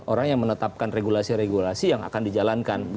orang yang menetapkan regulasi regulasi yang akan dijalankan